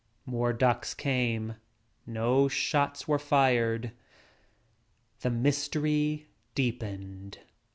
More ducks came. No shots were fired. The mystery deepened.